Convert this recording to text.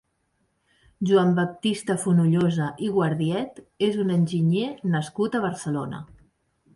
Joan Baptista Fonollosa i Guardiet és un enginyer nascut a Barcelona.